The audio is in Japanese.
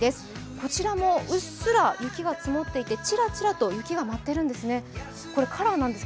こちらもうっすら雪が積もっていてちらちらと雪が舞っているんですね。